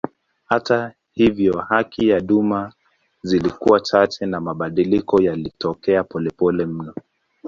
Hata hivyo haki za duma zilikuwa chache na mabadiliko yalitokea polepole mno.